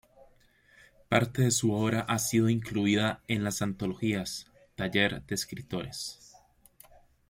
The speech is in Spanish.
Parte de su obra ha sido incluida en las antologías “Taller de escritores.